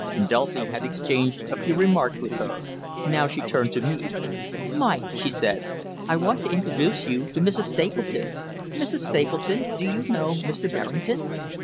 Dulcie had exchanged a few remarks with her. Now she turned to me. "Mike," she said, "I want to introduce you to Mrs. Stapleton. Mrs. Stapleton, do you know Mr. Berrington?"